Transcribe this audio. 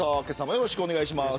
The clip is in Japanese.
よろしくお願いします。